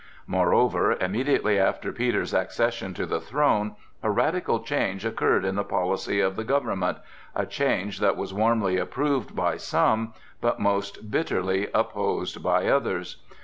Moreover, immediately after Peter's accession to the throne, a radical change occurred in the policy of the government,—a change that was warmly approved by some, but most bitterly opposed by others.